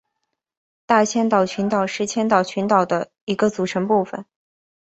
大千岛群岛是千岛群岛的一个组成部分。